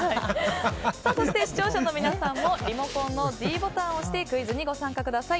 そして視聴者の皆さんもリモコンのｄボタンを押してクイズにご参加ください。